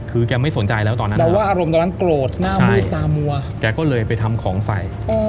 คือแกไม่สนใจแล้วตอนนั้นแกก็เลยไปทำของใส่